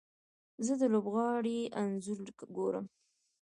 زه د لوبغاړي انځور ګورم.